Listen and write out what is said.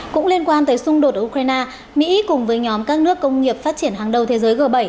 cũng liên quan tới xung đột ở ukraine mỹ cùng với nhóm các nước công nghiệp phát triển hàng đầu thế giới g bảy